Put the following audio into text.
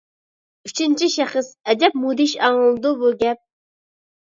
ئۈچىنچى شەخس؟ ئەجەب مۇدھىش ئاڭلىنىدۇ بۇ گەپ.